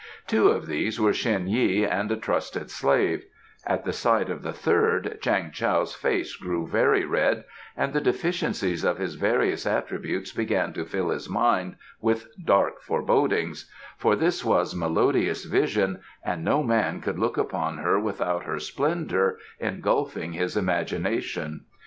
Two of these were Shen Yi and a trusted slave; at the sight of the third Chang Tao's face grew very red and the deficiencies of his various attributes began to fill his mind with dark forebodings, for this was Melodious Vision and no man could look upon her without her splendour engulfing his imagination.